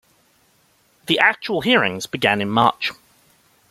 The actual hearings began in March.